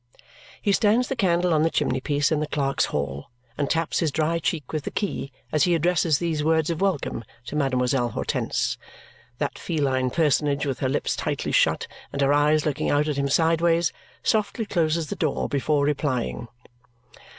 He stands the candle on the chimney piece in the clerk's hall and taps his dry cheek with the key as he addresses these words of welcome to Mademoiselle Hortense. That feline personage, with her lips tightly shut and her eyes looking out at him sideways, softly closes the door before replying.